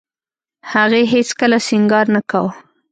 هغې هېڅ کله سينګار نه کاوه.